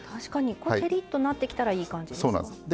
こう照りっとなってきたらいい感じですか？